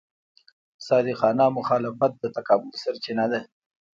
صادقانه مخالفت د تکامل سرچینه ده.